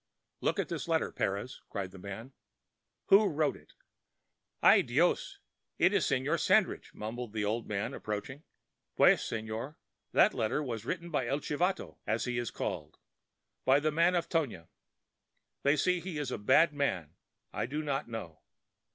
"Look at this letter, Perez," cried the man. "Who wrote it?" "Ah, Dios! it is Se√Īor Sandridge," mumbled the old man, approaching. "Pues, se√Īor, that letter was written by 'El Chivato,' as he is called—by the man of Tonia. They say he is a bad man; I do not know.